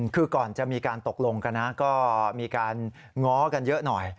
คือก่อนจะมีการตกลงกันนะก็มีการง้อกันเยอะหน่อย